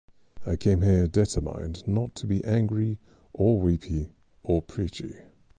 I came here determined not to be angry, or weepy, or preachy.